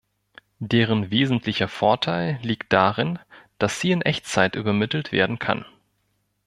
Deren wesentlicher Vorteil liegt darin, dass sie in Echtzeit übermittelt werden kann.